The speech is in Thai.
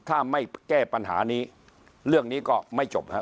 ถ้าไม่แก้ปัญหานี้เรื่องนี้ก็ไม่จบครับ